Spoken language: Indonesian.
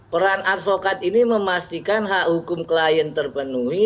peran advokat ini memastikan hak hukum klien terpenuhi